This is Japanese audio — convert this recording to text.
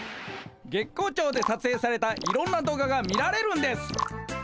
月光町でさつえいされたいろんな動画が見られるんです。